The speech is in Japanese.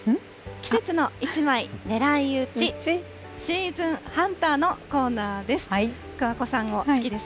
季節の一枚狙い撃ち、シーズンハンターのコーナーです。